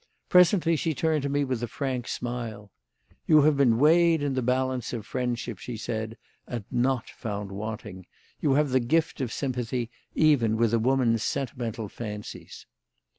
Presently she turned to me with a frank smile. "You have been weighed in the balance of friendship," she said, "and not found wanting. You have the gift of sympathy, even with a woman's sentimental fancies."